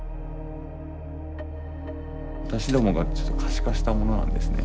私どもが可視化したものなんですね。